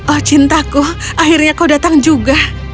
oh cintaku akhirnya kau datang juga